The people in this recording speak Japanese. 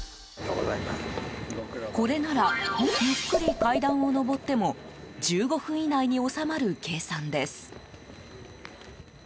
これならゆっくり階段を上っても１５分以内に収まる計算です。